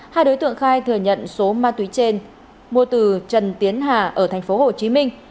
hai đối tượng khai thừa nhận số ma túy trên mua từ trần tiến hà ở thành phố hồ chí minh